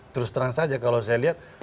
terus terang saja kalau saya lihat